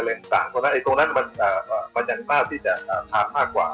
เอามาซ่อมอาจจะมาท้ามากกว่า